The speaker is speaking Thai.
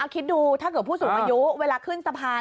คิดดูถ้าเกิดผู้สูงอายุเวลาขึ้นสะพาน